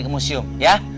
ke musium ya